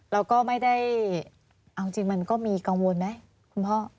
แล้วก็ไม่ได้เอาจริงมันก็มีกังวลไหมคุณพ่อ